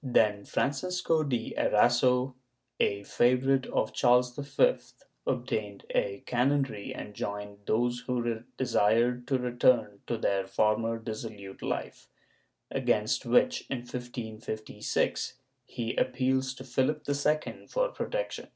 Then Francisco de Erasso, a favorite of Charles V, obtained a canonry and joined those who desired to return to their former dissolute life, against which, in 1556, he appeals to Philip II for protection.